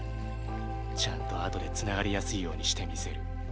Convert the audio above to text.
ちゃんと後でつながりやすいようにしてみせる。